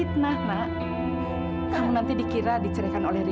aku tahu kalau dia penuh memperkuasa sekretarisnya sendiri